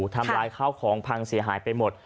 ทำร้ายข้าวของพังเสียหายไปหมด